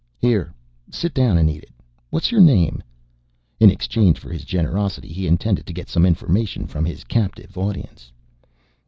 "Here. Sit down and eat it. What's your name?" In exchange for his generosity he intended to get some information from his captive audience.